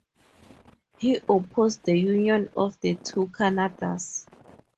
He opposed the union of the two Canadas.